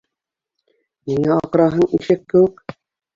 Ниңә аҡыраһың ишәк кеүек?